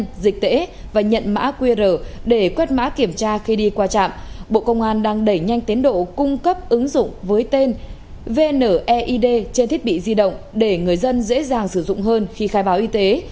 dịch tễ và nhận mã qr để quét mã kiểm tra khi đi qua trạm bộ công an đang đẩy nhanh tiến độ cung cấp ứng dụng với tên vneid trên thiết bị di động để người dân dễ dàng sử dụng hơn khi khai báo y tế